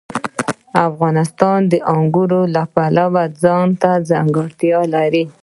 افغانستان د انګور د پلوه ځانته ځانګړتیا لري.